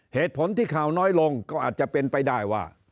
เหตุผลที่ข่าวน้อยลงก็อาจจะเป็นไปได้ว่า